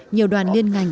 nhiều đoàn liên ngành